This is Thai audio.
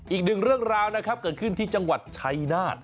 อีกหนึ่งเรื่องราวนะครับเกิดขึ้นที่จังหวัดชัยนาธ